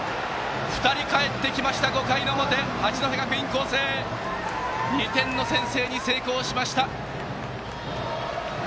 ２人かえってきました、５回の表八戸学院光星が２点の先制に成功しました！